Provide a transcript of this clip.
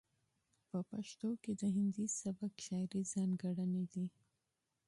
په پښتو کې د هندي سبک شاعرۍ ځاتګړنې دي.